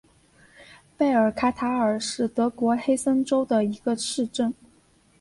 贝尔卡塔尔是德国黑森州的一个市镇。